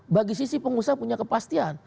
bagi sisi pengusaha punya kepastian